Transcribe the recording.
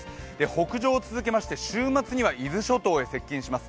北上を続けまして、週末には伊豆諸島に接近します。